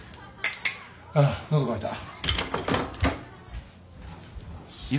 あっ喉渇いた。